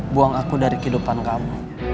buang aku dari kehidupan kamu